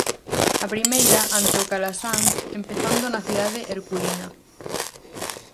A primeira, ante o Calasanz, empezando na cidade herculina.